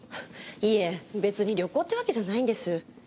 いえ別に旅行ってわけじゃないんです。